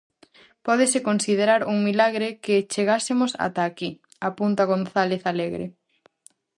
"Pódese considerar un milagre que chegásemos ata aquí", apunta González Alegre.